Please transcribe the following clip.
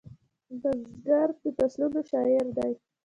بزګر د فصلونو شاعر دی